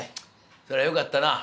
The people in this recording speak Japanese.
そりゃよかったな。